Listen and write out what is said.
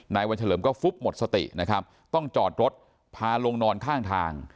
วันเฉลิมก็ฟุบหมดสตินะครับต้องจอดรถพาลงนอนข้างทาง